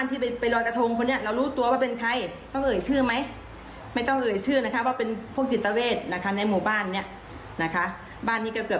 ทีนี้ไปโรงข้าวก็คือคือสร้างความเสียหายผู้ใหญ่บ้านนะคะ